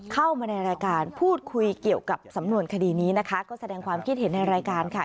เข้ามาในรายการพูดคุยเกี่ยวกับสำนวนคดีนี้นะคะก็แสดงความคิดเห็นในรายการค่ะ